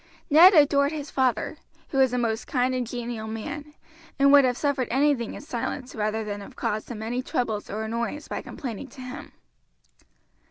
Ned adored his father, who was a most kind and genial man, and would have suffered anything in silence rather than have caused him any troubles or annoyance by complaining to him.